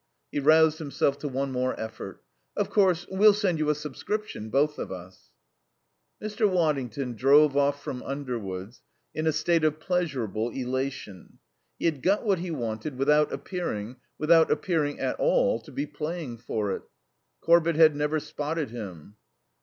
He roused himself to one more effort. "Of course, we'll send you a subscription, both of us." Mr. Waddington drove off from Underwoods in a state of pleasurable elation. He had got what he wanted without appearing without appearing at all to be playing for it. Corbett had never spotted him.